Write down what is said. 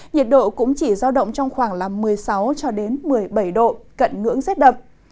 nhiệt độ cũng chỉ giao động trong khoảng một mươi sáu một mươi bảy độ cận ngưỡng rét đậm